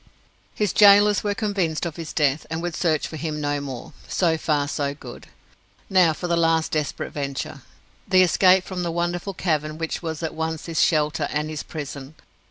His gaolers were convinced of his death, and would search for him no more. So far, so good. Now for the last desperate venture the escape from the wonderful cavern which was at once his shelter and his prison.